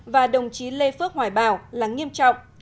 và đồng chí lê phước hoài bảo là nghiêm trọng